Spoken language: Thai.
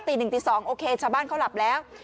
ตีหนึ่งตีสองโอเคชาวบ้านเขาหลับแล้ว